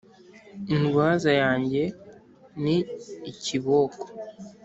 Indwaza yanjye ni ikiboko